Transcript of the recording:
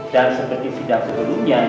dan seperti sidang sebelumnya